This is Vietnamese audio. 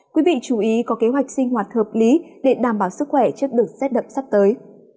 quý vị chú ý có kế hoạch sinh hoạt hợp lý để đảm bảo sức khỏe trước đợt rét đậm sắp tới